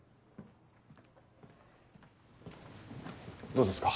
どうですか？